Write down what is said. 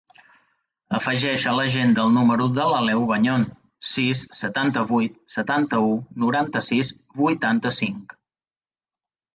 Afegeix a l'agenda el número de l'Aleu Bañon: sis, setanta-vuit, setanta-u, noranta-sis, vuitanta-cinc.